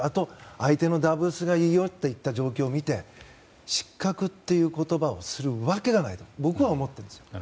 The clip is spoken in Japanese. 相手のダブルスが言い寄ってきた状況を見て失格という言葉をするわけがないと僕は思っています。